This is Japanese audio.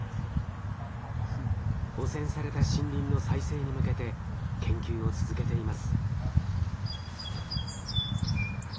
汚染された森林の再生に向けて研究を続けています。